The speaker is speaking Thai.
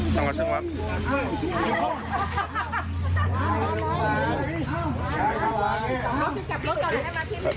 บ้าเอา